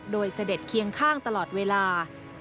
โดยเสด็จเคียงข้างตลอดเวลา